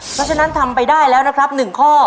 เพราะฉะนั้นทำไปได้แล้วนะครับ๑ข้อ